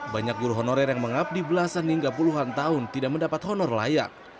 banyak guru honorer yang mengabdi belasan hingga puluhan tahun tidak mendapat honor layak